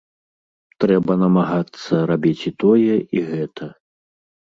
Трэба намагацца рабіць і тое, і гэта.